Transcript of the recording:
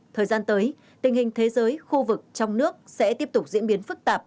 thời gian tới tình hình thế giới khu vực trong nước sẽ tiếp tục diễn biến phức tạp